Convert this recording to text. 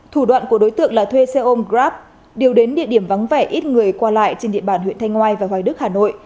thủ đoạn của đối tượng là thuê xe ôm grab điều đến địa điểm vắng vẻ ít người qua lại trên địa bàn huyện thanh ngoai và hoài đức hà nội